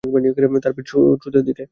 তার পিঠ শত্রুদের দিকে।